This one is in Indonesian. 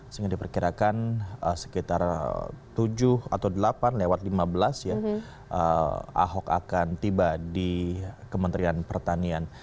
sehingga diperkirakan sekitar tujuh atau delapan lewat lima belas ya ahok akan tiba di kementerian pertanian